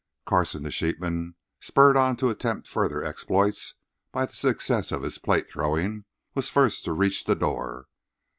Carson, the sheepman, spurred on to attempt further exploits by the success of his plate throwing, was first to reach the door.